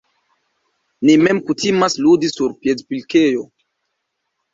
Ni mem kutimas ludi sur piedpilkejo...